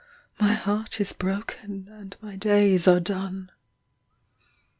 My heart is broken and my days are done.